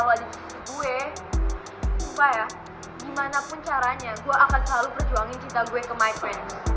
sumpah ya gimana pun caranya gue akan selalu perjuangin cinta gue ke my prince